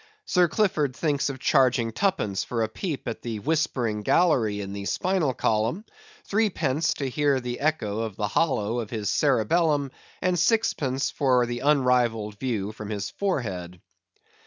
Sir Clifford thinks of charging twopence for a peep at the whispering gallery in the spinal column; threepence to hear the echo in the hollow of his cerebellum; and sixpence for the unrivalled view from his forehead.